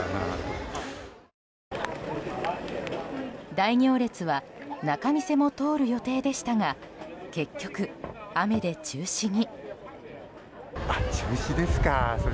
大行列は仲見世も通る予定でしたが結局、雨で中止に。